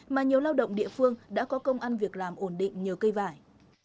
mà nhiều lao động địa phương đã có công ăn việc làm ổn định nhờ cây vải